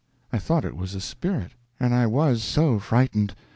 I thought it was a spirit, and I _was _so frightened!